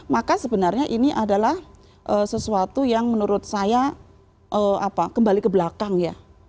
maka sebenarnya ini adalah sesuatu yang menurut saya kembali ke belakang ya